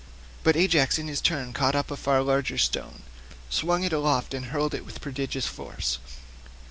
But Ajax in turn caught up a far larger stone, swung it aloft, and hurled it with prodigious force.